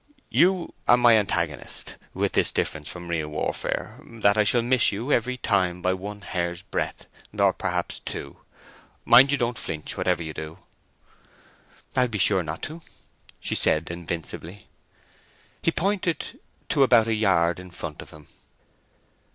You are my antagonist, with this difference from real warfare, that I shall miss you every time by one hair's breadth, or perhaps two. Mind you don't flinch, whatever you do." "I'll be sure not to!" she said invincibly. He pointed to about a yard in front of him.